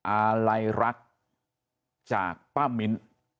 อาลัยรักจากป้ามิ้น